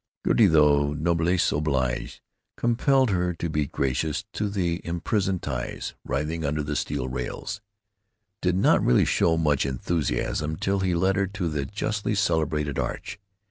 Gertie, though noblesse oblige compelled her to be gracious to the imprisoned ties writhing under the steel rails, did not really show much enthusiasm till he led her to the justly celebrated Arch.